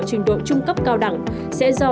trình độ trung cấp cao đẳng sẽ do